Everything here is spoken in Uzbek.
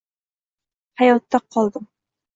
Hayotda qoldim!